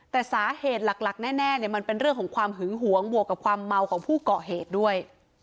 แต่สาเหตุหลักแน่มันเป็นเรื่องของความหึงหวงบวกกับความเมาของผู้เกาะเหตุด้วย